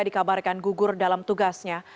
dikabarkan gugur dalam tugasnya